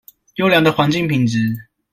優良的環境品質